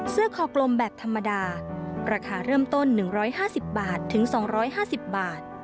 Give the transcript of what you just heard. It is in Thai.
เสื้อคอกลมแบบธรรมดาราคาเริ่มต้น๑๕๐๒๕๐บาท